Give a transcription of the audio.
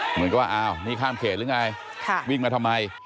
เหมือนกับว่าอ้าวนี่ข้ามเขตหรือไงวิ่งมาทำไม